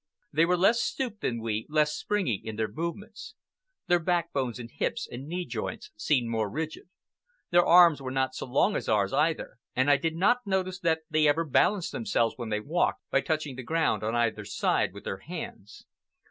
They were less stooped than we, less springy in their movements. Their backbones and hips and knee joints seemed more rigid. Their arms were not so long as ours either, and I did not notice that they ever balanced themselves when they walked, by touching the ground on either side with their hands.